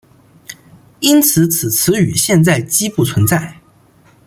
因此此词语现在几不存在。